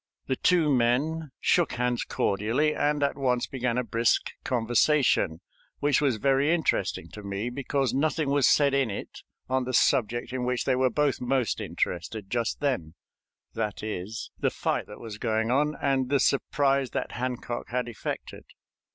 The two men shook hands cordially, and at once began a brisk conversation, which was very interesting to me, because nothing was said in it on the subject in which they were both most interested just then that is, the fight that was going on, and the surprise that Hancock had effected.